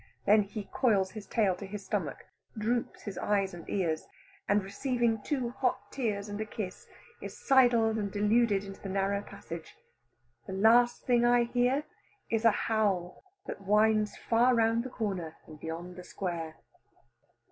Then he coils his tail to his stomach, droops his ears and eyes, and receiving two hot tears and a kiss is sidled and deluded into the narrow passage. The last thing I hear is a howl that winds far round the corner and beyond the square.